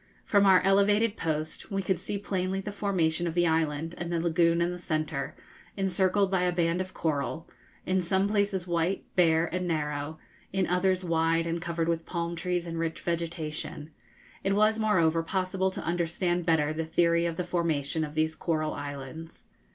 From our elevated post we could see plainly the formation of the island, and the lagoon in the centre, encircled by a band of coral, in some places white, bare, and narrow, in others wide and covered with palm trees and rich vegetation; it was moreover possible to understand better the theory of the formation of these coral islands.